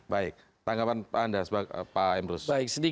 baik tanggapan anda pak emrus